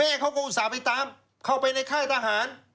เขาก็อุตส่าห์ไปตามเข้าไปในค่ายทหาร